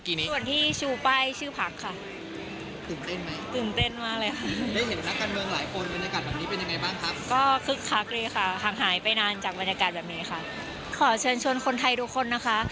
ขอเชิญชวนคนไทยทุกคนนะคะ